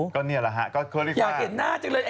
ก็นี่แหละอยากเกียจหน้าจริงเลย